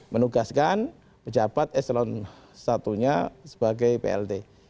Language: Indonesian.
menugaskan pejabat eselon satunya sebagai plt